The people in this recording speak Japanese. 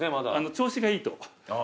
調子がいいと。